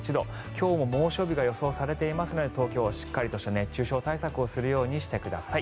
今日も猛暑日が予想されていますので東京はしっかりとした熱中症対策をするようにしてください。